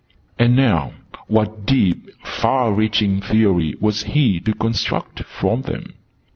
And now, what deep, far reaching Theory was he to construct from them?